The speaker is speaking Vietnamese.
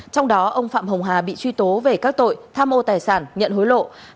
trong đó ông phạm hồng hà bị truy tố về các tội tham mô tài sản nhận hối lộ